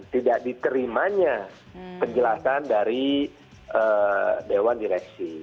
tidak diterimanya penjelasan dari dewan direksi